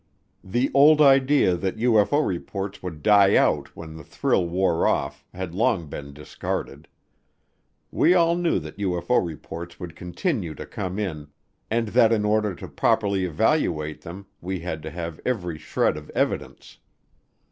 The old idea that UFO reports would die out when the thrill wore off had long been discarded. We all knew that UFO reports would continue to come in and that in order to properly evaluate them we had to have every shred of evidence.